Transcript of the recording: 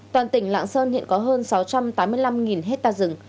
toàn tỉnh lạng sơn hiện có hơn sáu trăm tám mươi năm hectare rừng